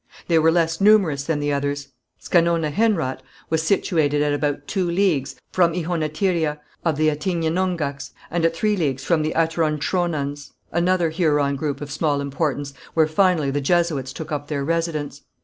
They were less numerous than the others. Scanonahenrat was situated at about two leagues from Ihonatiria of the Attignenonghacs, and at three leagues from the Ataronchronons, another Huron group of small importance, where finally the Jesuits took up their residence.